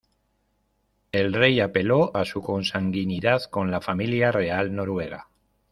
El rey apeló a su consanguinidad con la familia real noruega.